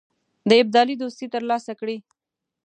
د ابدالي دوستي تر لاسه کړي.